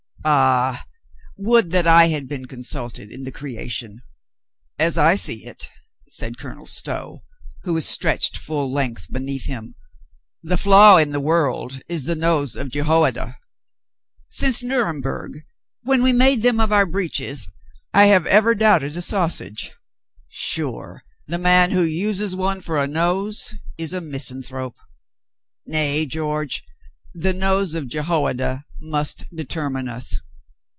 Ah, would that I had been consulted in the creation !" "As I see it," said Colonel Stow, who was stretched full length beneath him, "the flaw in the world is the nose of Jehoiada. Since Nuremberg, when we made them of our breeches, I have ever doubted a sausage. Sure, the man who uses one for a nose is a misanthrope. Nay, George, the nose of Jehoiada must determine us."